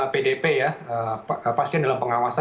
pdp ya pasien dalam pengawasan